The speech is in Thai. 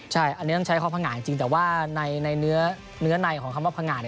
ใช่อันนี้ต้องใช้ความผง่าจริงแต่ว่าในเนื้อในของคำว่าพังงาน